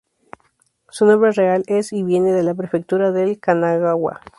Su nombre real es y viene de la prefectura de Kanagawa.